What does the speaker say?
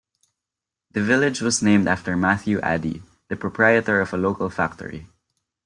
The village was named after Matthew Addy, the proprietor of a local factory.